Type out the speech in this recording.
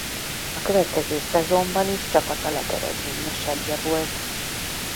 A következő szezonban is csapata legeredményesebbje volt.